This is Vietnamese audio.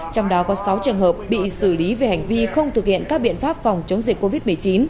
trong đó có sáu trường hợp bị xử lý về hành vi không thực hiện các biện pháp phòng chống dịch covid một mươi chín